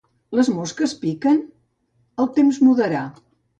Les mosques piquen? El temps mudarà.